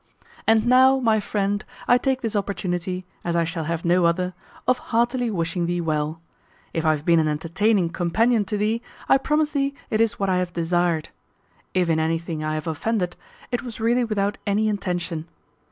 And now, my friend, I take this opportunity (as I shall have no other) of heartily wishing thee well. If I have been an entertaining companion to thee, I promise thee it is what I have desired. If in anything I have offended, it was really without any intention.